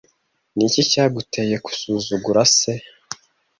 Niki cyaguteye kusuzugura se